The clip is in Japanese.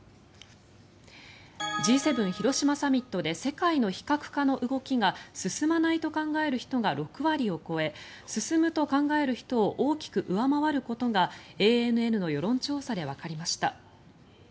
Ｇ７広島サミットで世界の非核化の動きが進まないと考える人が６割を超え進むと考える人を大きく上回ることがＡＮＮの世論調査でわかりました。